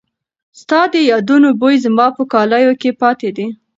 ستا د یادونو بوی زما په کالو کې پاتې دی.